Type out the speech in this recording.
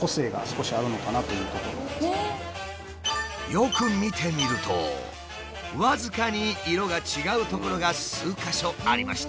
よく見てみると僅かに色が違う所が数か所ありました。